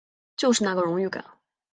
就是那个荣誉感